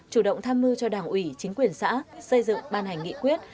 chủ động tham mưu cho đảng ủy chính quyền xã xây dựng ban hành nghị quyết